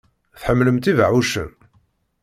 Tḥemmlemt ibeɛɛucen?